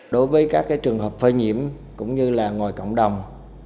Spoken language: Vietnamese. đối với các trường hợp phơi nhiễm cũng như là ngoài cộng đồng